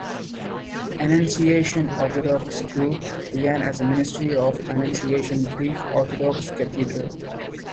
Annunciation Orthodox School began as a ministry of Annunciation Greek Orthodox Cathedral.